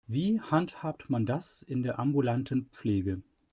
Wie handhabt man das in der ambulanten Pflege?